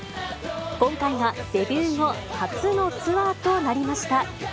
今回がデビュー後、初のツアーとなりました。